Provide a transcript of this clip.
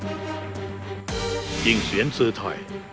จริงเสียนสือไทม์